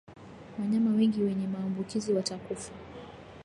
Wanyama wengi wenye maambukizi watakufa